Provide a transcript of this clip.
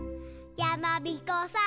「やまびこさーん」